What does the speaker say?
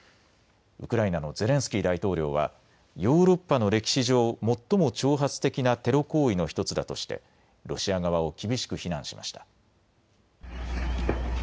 ウクライナのゼレンスキー大統領はヨーロッパの歴史上最も挑発的なテロ行為の１つだとしてロシア側を厳しく非難しました。